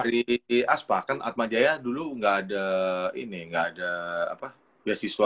dari aspa kan atmajaya dulu enggak ada ini enggak ada apa beasiswa